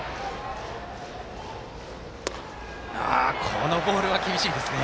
このボールは厳しいですね。